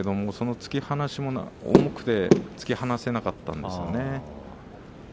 突き放しも重くて突き放せなかったですね。